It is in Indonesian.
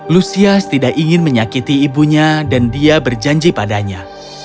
lusias tidak ingin menyakiti ibunya dan dia berjanji padanya